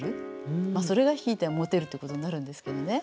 まあそれがひいてはモテるということになるんですけどね。